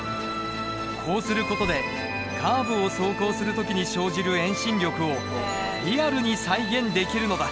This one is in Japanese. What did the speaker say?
こうする事でカーブを走行する時に生じる遠心力をリアルに再現できるのだ。